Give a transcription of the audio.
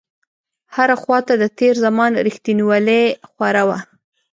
هره خواته د تېر زمان رښتينولۍ خوره وه.